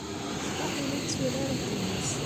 Seg ṣṣbaḥ ay la yetturar atennis.